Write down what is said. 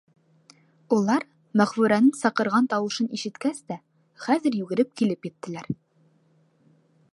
Улар, Мәғфүрәнең саҡырған тауышын ишеткәс тә, хәҙер йүгереп килеп еттеләр.